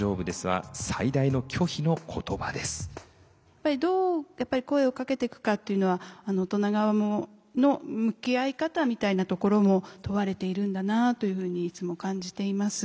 やっぱりどう声をかけていくかっていうのは大人側の向き合い方みたいなところも問われているんだなというふうにいつも感じています。